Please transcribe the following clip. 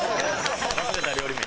忘れた料理名。